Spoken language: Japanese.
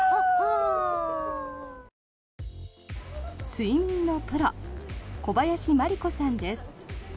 睡眠のプロ小林麻利子さんです。